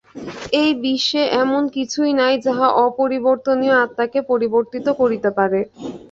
এই বিশ্বে এমন কিছুই নাই যাহা অপরিবর্তনীয় আত্মাকে পরিবর্তিত করিতে পারে।